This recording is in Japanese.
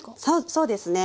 そうですね